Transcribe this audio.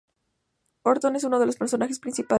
Horton es uno de los personajes principales.